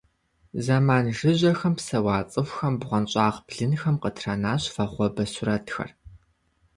Зэман жыжьэхэм псэуа цӏыхухэм бгъуэнщӏагъ блынхэм къытранащ вагъуэбэ сурэтхэр.